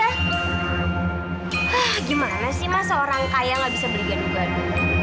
hah gimana sih mah seorang kaya gak bisa beli gado gado